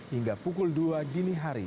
hingga pukul dua dini hari